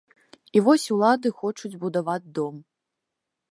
І вось улады хочуць будаваць дом.